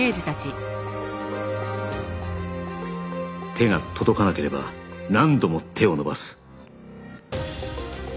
手が届かなければ何度も手を伸ばす